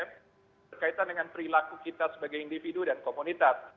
berkaitan dengan perilaku kita sebagai individu dan komunitas